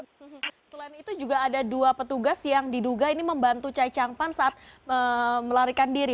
selain itu juga ada dua petugas yang diduga ini membantu chai chang pan saat melarikan diri